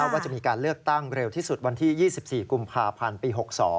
ว่าจะมีการเลือกตั้งเร็วที่สุดวันที่๒๔กุมภาพันธ์ปี๖๒